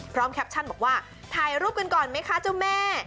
แคปชั่นบอกว่าถ่ายรูปกันก่อนไหมคะเจ้าแม่